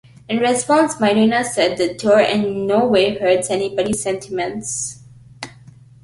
In response, Madonna said, The tour in no way hurts anybody's sentiments.